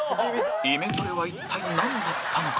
イメトレは一体なんだったのか？